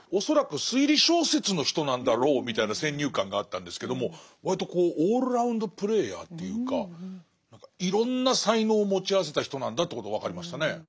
恐らく推理小説の人なんだろうみたいな先入観があったんですけども割とオールラウンドプレーヤーというかいろんな才能を持ち合わせた人なんだということが分かりましたね。